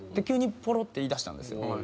急にポロって言いだしたんですよ。